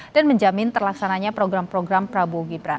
dan menjamin terlaksananya program program prabowo gibran